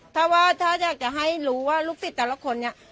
ถ้าว่าถ้าอยากจะให้รู้ว่าลูกศิษย์แต่ละคนเนี่ย